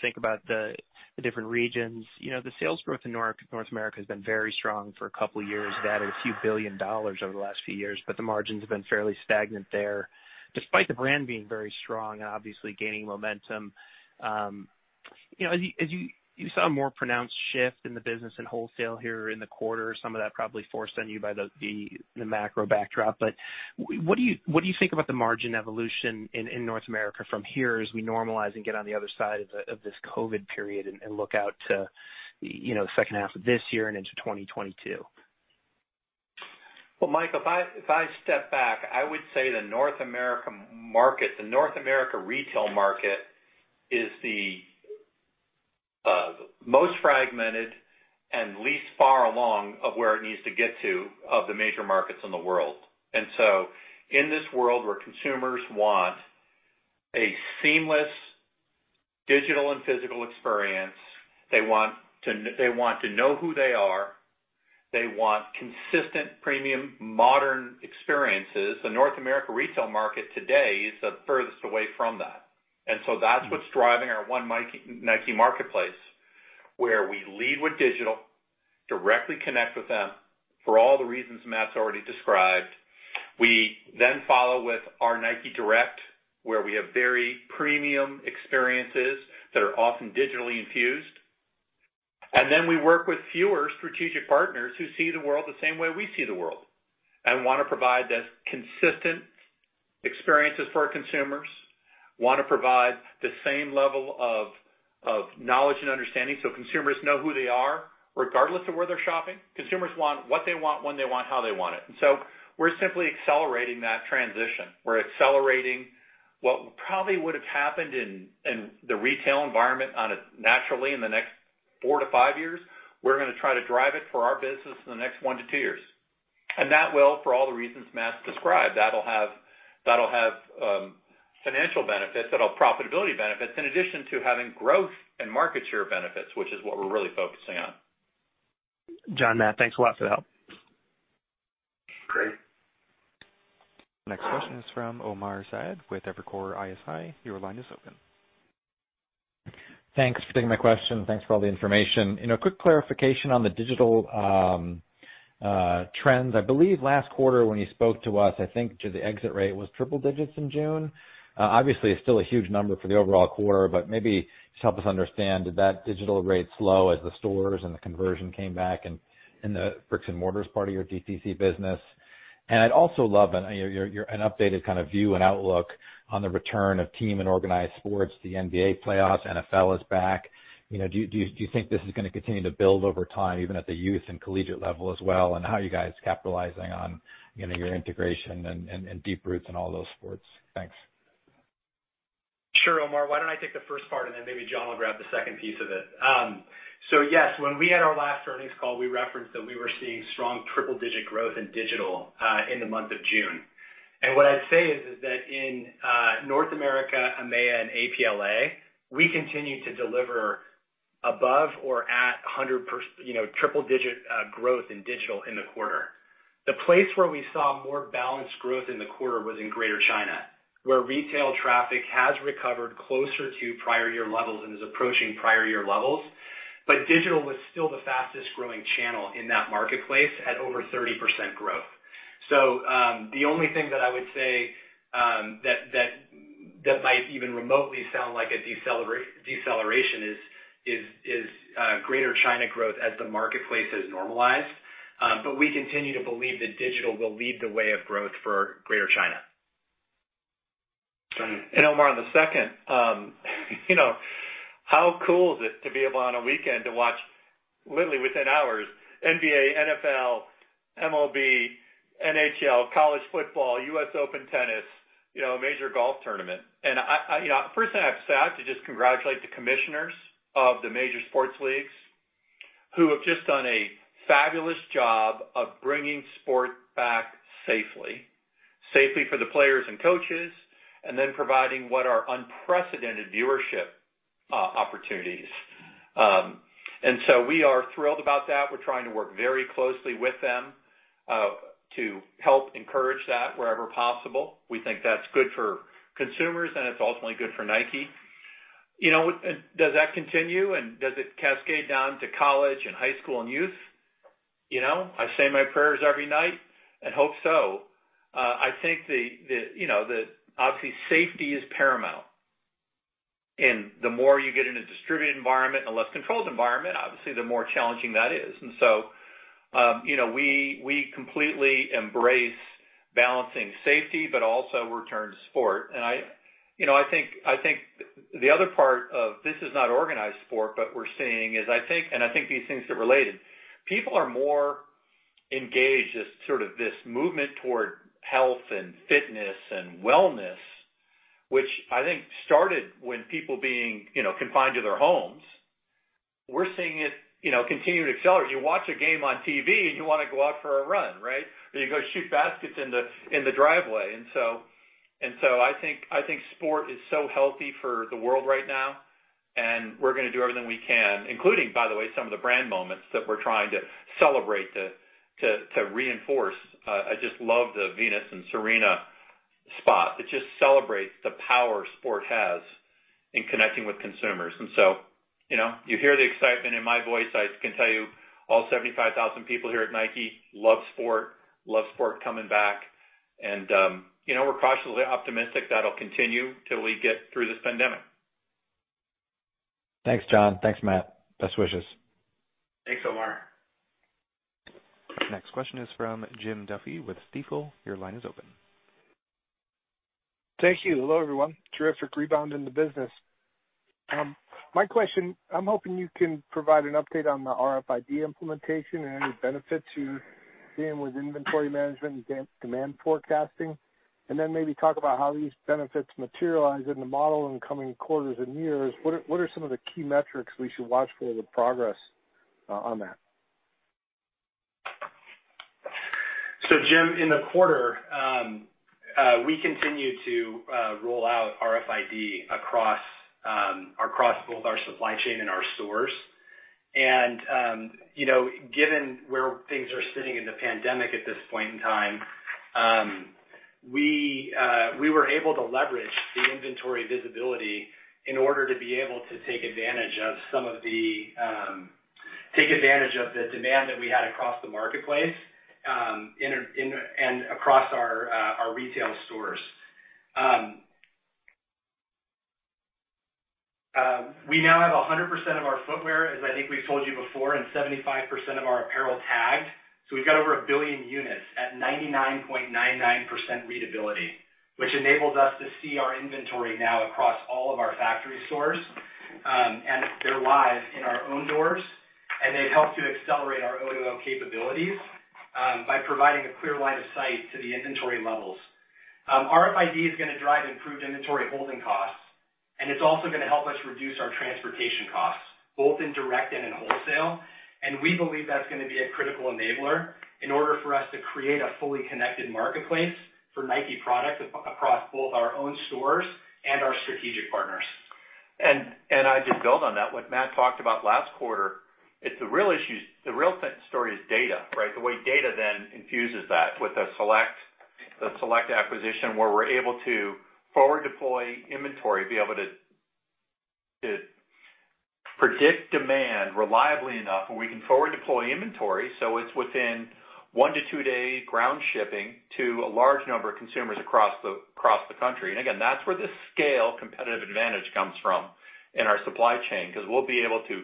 think about the different regions. The sales growth in North America has been very strong for a couple of years. You've added a few billion dollars over the last few years, but the margins have been fairly stagnant there, despite the brand being very strong and obviously gaining momentum. As you saw a more pronounced shift in the business and wholesale here in the quarter, some of that probably forced on you by the macro backdrop, but what do you think about the margin evolution in North America from here as we normalize and get on the other side of this COVID period and look out to the second half of this year and into 2022? Well, Michael, if I step back, I would say the North America retail market is the most fragmented and least far along of where it needs to get to of the major markets in the world. In this world where consumers want a seamless digital and physical experience, they want to know who they are, they want consistent premium modern experiences, the North America retail market today is the furthest away from that. That's what's driving our One Nike Marketplace, where we lead with digital, directly connect with them for all the reasons Matt's already described. We follow with our NIKE Direct, where we have very premium experiences that are often digitally infused. We work with fewer strategic partners who see the world the same way we see the world and want to provide the consistent experiences for our consumers, want to provide the same level of knowledge and understanding so consumers know who they are regardless of where they're shopping. Consumers want what they want, when they want, how they want it. We're simply accelerating that transition. We're accelerating what probably would've happened in the retail environment naturally in the next four to five years. We're going to try to drive it for our business in the next one to two years. That will, for all the reasons Matt's described, that'll have financial benefits, it'll have profitability benefits in addition to having growth and market share benefits, which is what we're really focusing on. John, Matt, thanks a lot for the help. Great. Next question is from Omar Saad with Evercore ISI. Your line is open. Thanks for taking my question. Thanks for all the information. A quick clarification on the digital trends. I believe last quarter when you spoke to us, I think the exit rate was triple digits in June. Obviously, it's still a huge number for the overall quarter, but maybe just help us understand, did that digital rate slow as the stores and the conversion came back in the bricks and mortars part of your DTC business? I'd also love an updated kind of view and outlook on the return of team and organized sports, the NBA playoffs, NFL is back. Do you think this is going to continue to build over time, even at the youth and collegiate level as well, and how are you guys capitalizing on your integration and deep roots in all those sports? Thanks. Sure, Omar. Why don't I take the first part and then maybe John will grab the second piece of it. Yes, when we had our last earnings call, we referenced that we were seeing strong triple-digit growth in digital, in the month of June. What I'd say is that in North America, EMEA, and APLA, we continue to deliver above or at triple-digit growth in digital in the quarter. The place where we saw more balanced growth in the quarter was in Greater China, where retail traffic has recovered closer to prior-year levels and is approaching prior-year levels. Digital was still the fastest growing channel in that marketplace at over 30% growth. The only thing that I would say that might even remotely sound like a deceleration is Greater China growth as the marketplace has normalized. We continue to believe that digital will lead the way of growth for Greater China. Omar, how cool is it to be able on a weekend to watch, literally within hours, NBA, NFL, MLB, NHL, college football, U.S. Open tennis, a major golf tournament? First thing, I have to just congratulate the commissioners of the major sports leagues who have just done a fabulous job of bringing sport back safely. Safely for the players and coaches, and then providing what are unprecedented viewership opportunities. We are thrilled about that. We're trying to work very closely with them to help encourage that wherever possible. We think that's good for consumers, and it's ultimately good for Nike. Does that continue, and does it cascade down to college and high school and youth? I say my prayers every night and hope so. I think that obviously safety is paramount. The more you get in a distributed environment and a less controlled environment, obviously, the more challenging that is. We completely embrace balancing safety, but also return to sport. I think the other part of this is not organized sport, but we're seeing is, and I think these things are related. People are more engaged as sort of this movement toward health and fitness and wellness, which I think started when people being confined to their homes. We're seeing it continue to accelerate. You watch a game on TV, and you want to go out for a run, right? Or you go shoot baskets in the driveway. I think sport is so healthy for the world right now, and we're going to do everything we can, including, by the way, some of the brand moments that we're trying to celebrate to reinforce. I just love the Venus and Serena spot. It just celebrates the power sport has in connecting with consumers. You hear the excitement in my voice. I can tell you all 75,000 people here at Nike love sport, love sport coming back. We're cautiously optimistic that'll continue till we get through this pandemic. Thanks, John. Thanks, Matt. Best wishes. Thanks, Omar. Next question is from Jim Duffy with Stifel. Your line is open. Thank you. Hello, everyone. Terrific rebound in the business. My question, I'm hoping you can provide an update on the RFID implementation and any benefits you're seeing with inventory management and demand forecasting. Maybe talk about how these benefits materialize in the model in coming quarters and years. What are some of the key metrics we should watch for the progress on that? Jim, in the quarter, we continued to roll out RFID across both our supply chain and our stores. Given where things are sitting in the pandemic at this point in time, we were able to leverage the inventory visibility in order to be able to take advantage of the demand that we had across the marketplace, and across our retail stores. We now have 100% of our footwear, as I think we've told you before, and 75% of our apparel tagged. We've got over a billion units at 99.99% readability, which enables us to see our inventory now across all of our factory stores, and they're live in our own doors, and they've helped to accelerate our O2O capabilities by providing a clear line of sight to the inventory levels. RFID is going to drive improved inventory holding costs, it's also going to help us reduce our transportation costs, both in direct and in wholesale. We believe that's going to be a critical enabler in order for us to create a fully connected marketplace for Nike products across both our own stores and our strategic partners. I'd just build on that. What Matt talked about last quarter, the real story is data, right? The way data then infuses that with the Celect acquisition, where we're able to forward deploy inventory, be able to predict demand reliably enough where we can forward deploy inventory. It's within one to two-day ground shipping to a large number of consumers across the country. Again, that's where the scale competitive advantage comes from in our supply chain, because we'll be able to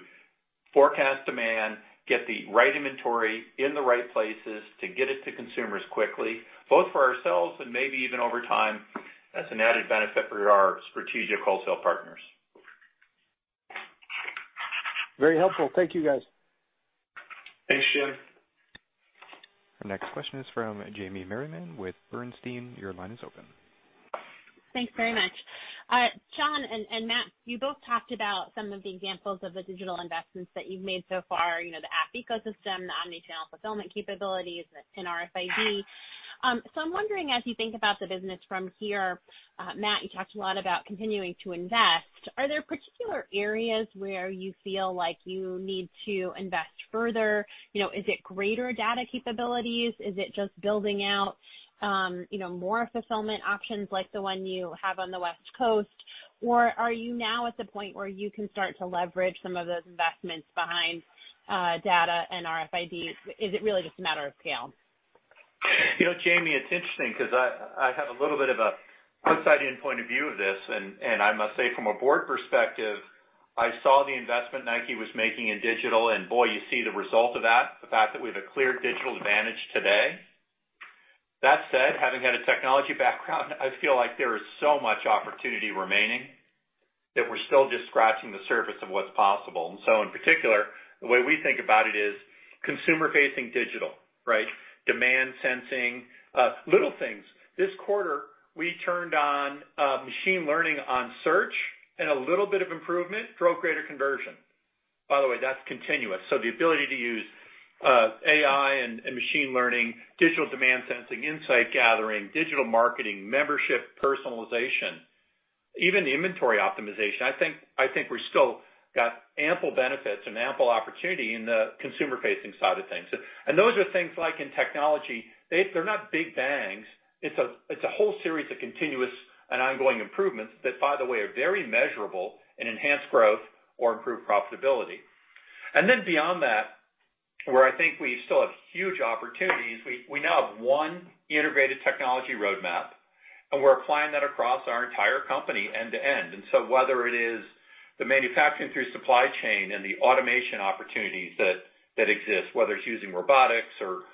forecast demand, get the right inventory in the right places to get it to consumers quickly, both for ourselves and maybe even over time as an added benefit for our strategic wholesale partners. Very helpful. Thank you, guys. Thanks, Jim. Our next question is from Jamie Merriman with Bernstein. Your line is open. Thanks very much. John and Matt, you both talked about some of the examples of the digital investments that you've made so far, the app ecosystem, the omnichannel fulfillment capabilities and RFID. I'm wondering, as you think about the business from here, Matt, you talked a lot about continuing to invest. Are there particular areas where you feel like you need to invest further? Is it greater data capabilities? Is it just building out more fulfillment options like the one you have on the West Coast? Are you now at the point where you can start to leverage some of those investments behind data and RFID? Is it really just a matter of scale? Jamie, it's interesting because I have a little bit of an outside-in point of view of this, and I must say from a board perspective, I saw the investment Nike was making in digital, and boy, you see the result of that, the fact that we have a clear digital advantage today. That said, having had a technology background, I feel like there is so much opportunity remaining that we're still just scratching the surface of what's possible. In particular, the way we think about it is consumer-facing digital, right? Demand sensing, little things. This quarter, we turned on machine learning on search, and a little bit of improvement drove greater conversion. By the way, that's continuous. The ability to use AI and machine learning, digital demand sensing, insight gathering, digital marketing, membership personalization, even the inventory optimization. I think we've still got ample benefits and ample opportunity in the consumer-facing side of things. Those are things like in technology, they're not big bangs. It's a whole series of continuous and ongoing improvements that, by the way, are very measurable and enhance growth or improve profitability. Beyond that, where I think we still have huge opportunities, we now have one integrated technology roadmap, and we're applying that across our entire company end to end. Whether it is the manufacturing through supply chain and the automation opportunities that exist, whether it's using robotics or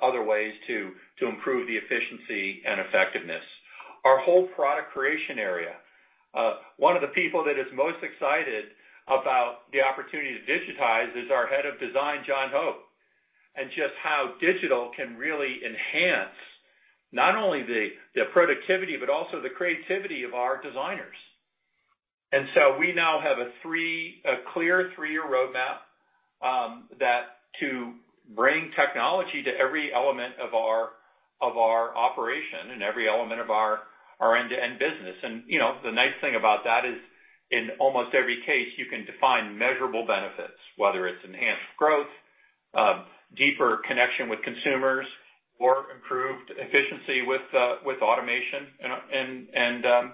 other ways to improve the efficiency and effectiveness. Our whole product creation area. One of the people that is most excited about the opportunity to digitize is our head of design, John Hoke, and just how digital can really enhance not only the productivity, but also the creativity of our designers. We now have a clear three-year roadmap to bring technology to every element of our operation and every element of our end-to-end business. The nice thing about that is in almost every case, you can define measurable benefits, whether it's enhanced growth, deeper connection with consumers, or improved efficiency with automation and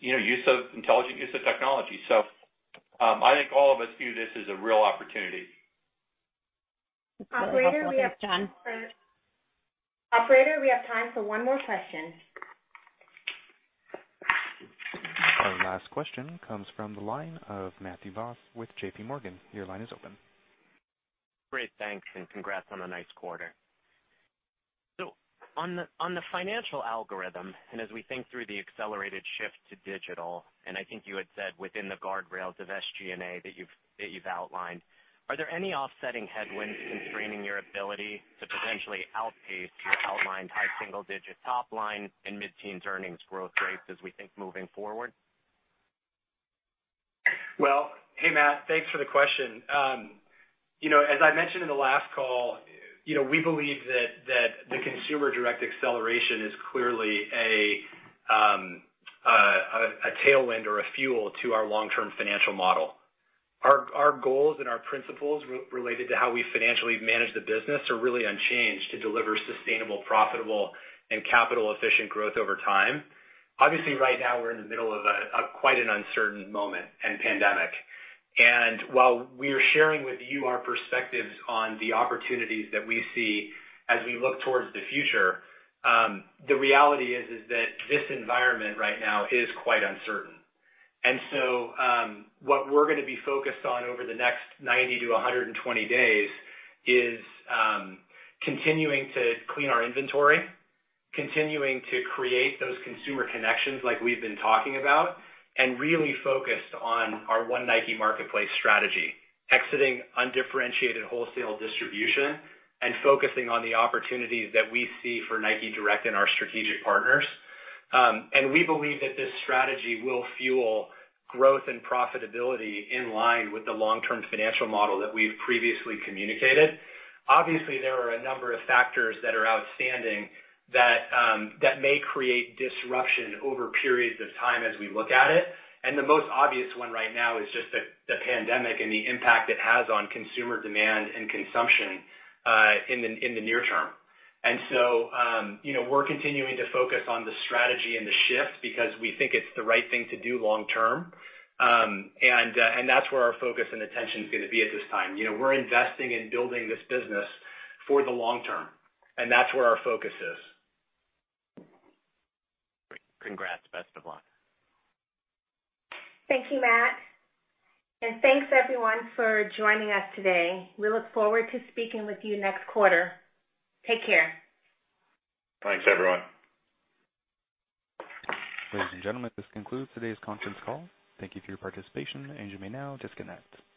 use of intelligent use of technology. I think all of us view this as a real opportunity. That's helpful. Thanks, John. Operator, we have time for one more question. Last question comes from the line of Matthew Boss with JPMorgan. Your line is open. Great. Thanks, congrats on a nice quarter. On the financial algorithm, and as we think through the accelerated shift to digital, and I think you had said within the guardrails of SG&A that you've outlined, are there any offsetting headwinds constraining your ability to potentially outpace your outlined high single-digit top line and mid-teens earnings growth rates as we think moving forward? Well, hey, Matt, thanks for the question. As I mentioned in the last call, we believe that the Consumer Direct Acceleration is clearly a tailwind or a fuel to our long-term financial model. Our goals and our principles related to how we financially manage the business are really unchanged to deliver sustainable, profitable, and capital-efficient growth over time. Obviously, right now, we're in the middle of quite an uncertain moment and pandemic. While we are sharing with you our perspectives on the opportunities that we see as we look towards the future, the reality is that this environment right now is quite uncertain. What we're going to be focused on over the next 90-120 days is continuing to clean our inventory, continuing to create those consumer connections like we've been talking about, and really focused on our One Nike Marketplace strategy. Exiting undifferentiated wholesale distribution and focusing on the opportunities that we see for NIKE Direct and our strategic partners. We believe that this strategy will fuel growth and profitability in line with the long-term financial model that we've previously communicated. Obviously, there are a number of factors that are outstanding that may create disruption over periods of time as we look at it. The most obvious one right now is just the pandemic and the impact it has on consumer demand and consumption in the near term. We're continuing to focus on the strategy and the shift because we think it's the right thing to do long term. That's where our focus and attention is going to be at this time. We're investing in building this business for the long term, and that's where our focus is. Great. Congrats. Best of luck. Thank you, Matt. Thanks, everyone, for joining us today. We look forward to speaking with you next quarter. Take care. Thanks, everyone. Ladies and gentlemen, this concludes today's conference call. Thank you for your participation, and you may now disconnect.